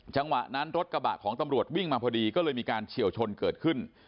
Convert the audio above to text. จังหวะนั้นรถกระบะของตำรวจวิ่งมาพอดีก็เลยมีการเฉียวชนเกิดขึ้น